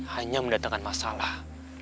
hanya mendatangkan masalah